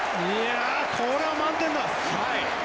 これは満点だ！